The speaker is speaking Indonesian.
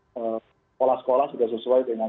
sekolah sekolah sudah sesuai dengan